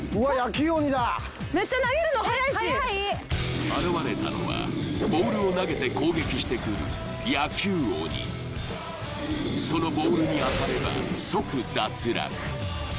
めっちゃ投げるの速いし速い現れたのはボールを投げて攻撃してくる野球鬼そのボールに当たれば即脱落